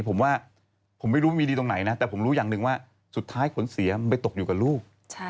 ผมว่าผมไม่รู้มีดีตรงไหนนะแต่ผมรู้อย่างหนึ่งว่าสุดท้ายผลเสียมันไปตกอยู่กับลูก